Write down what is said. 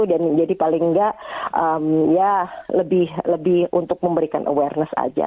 dan jadi paling nggak ya lebih untuk memberikan kesadaran saja